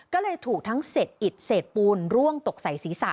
ก็เลยถูกทั้งเสร็จอิจเสร็จปูนร่วงตกใส่ศีรษะ